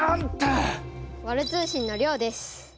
ワル通信のりょうです。